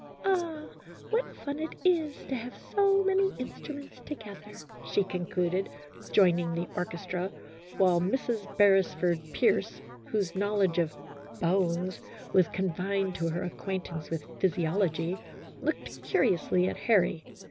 " Ah ! what fun it is to have so many instruments together," she concluded, joining the orchestra, while Mrs. Beresford Pierce, whose knowledge of " bones " was confined to her acquaintance with physiology, looked curiously at Harry.